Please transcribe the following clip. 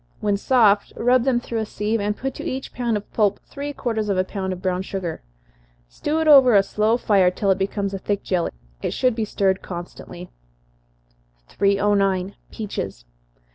When soft, rub them through a sieve, and put to each pound of pulp three quarters of a pound of brown sugar. Stew it over a slow fire till it becomes a thick jelly. It should be stirred constantly. 309. _Peaches.